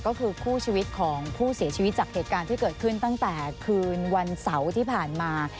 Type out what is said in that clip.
ก็คือคู่ชีวิตของผู้เสียชีวิตจากเหตุการณ์ที่เกิดขึ้นตั้งแต่คืนวันเสาร์ที่ผ่านมา